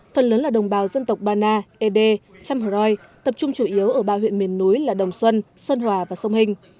phần lớn là đồng bào dân tộc bana ede chamh roy tập trung chủ yếu ở ba huyện miền núi là đồng xuân sơn hòa và sông hình